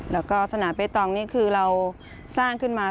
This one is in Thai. แล้วก็สนามเบตองนี่คือเราสร้างขึ้นมา